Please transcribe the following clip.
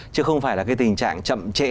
chứ không phải là cái tình trạng chậm chẽ